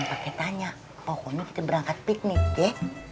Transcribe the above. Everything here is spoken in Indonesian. pokoknya kita berangkat piknik ya